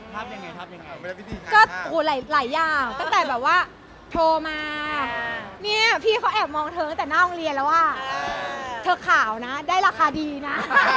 ทาบยังไงก็ไหลอย่างตั้งแต่แบบว่าโทรมาพี่เค้าแอบมองเธอจากหน้าโรงเรียนแล้วว่าที่เธอขาวมั้งได้ราคาดีนะ